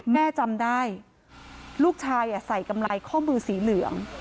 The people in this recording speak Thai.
แม่จำได้ลูกชายใส่กำไรข้อมือสีเหลือง